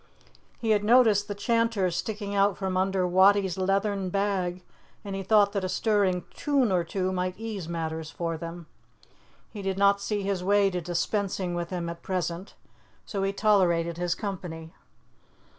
He had noticed the chanter sticking out from under Wattie's leathern bag, and he thought that a stirring tune or two might ease matters for them. He did not see his way to dispensing with him at present, so he tolerated his company.